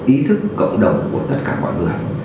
ý thức cộng đồng của tất cả mọi người